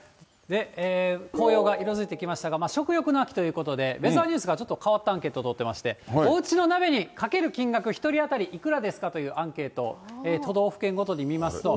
紅葉が色づいてきましたが、食欲の秋ということで、ウェザーニュースがちょっと変わったアンケートを取ってまして、おうちの鍋にかける金額、１人当たりいくらですかというアンケート、都道府県ごとに見ますと。